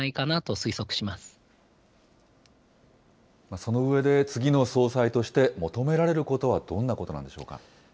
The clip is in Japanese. その上で、次の総裁として求められることはどんなことなんでしょうか？